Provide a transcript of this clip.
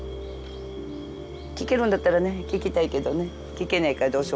聞けるんだったらね聞きたいけどね聞けないからどうしようもないさね。